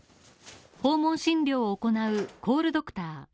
訪問診療を行うコールドクター。